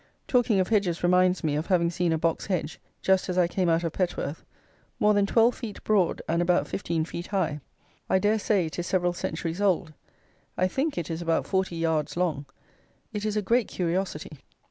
Talking of hedges reminds me of having seen a box hedge, just as I came out of Petworth, more than twelve feet broad, and about fifteen feet high. I dare say it is several centuries old. I think it is about forty yards long. It is a great curiosity.